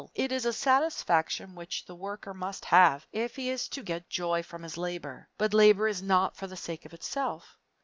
It is a satisfaction which the worker must have if he is to get joy from his labor. But labor is not for the sake of itself.